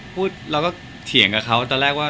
เราก็เถียงกับเขาตอนแรกว่า